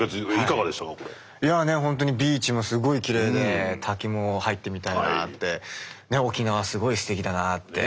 本当にビーチもすごいきれいで滝も入ってみたいなって沖縄すごいすてきだなって。